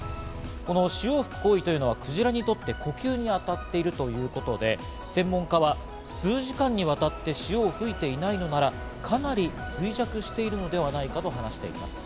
潮を吹く行為というのはクジラにとって呼吸に当たっているということで、専門家は数時間にわたって潮を吹いていないのなら、かなり衰弱しているのではないかと話しています。